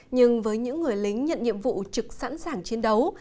nhưng với những người lính nhận nhiệm vụ trực sẵn sàng chiến đấu